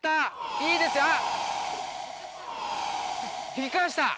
いいですよあっ！